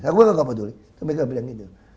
aku nggak peduli terus mereka bilang gini